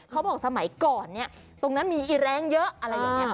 เขาบอกสมัยก่อนเนี่ยตรงนั้นมีอีแรงเยอะอะไรอย่างนี้